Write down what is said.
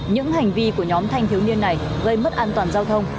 những hành vi của nhóm thanh thiếu niên này gây mất an toàn giao thông